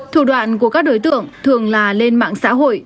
thủ đoạn của các đối tượng thường là lên mạng xã hội